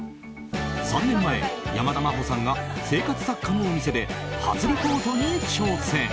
３年前、山田真歩さんが生活雑貨のお店で初リポートに挑戦。